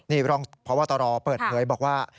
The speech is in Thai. นี่เพราะว่าต่อรอเปิดเผยบอกว่า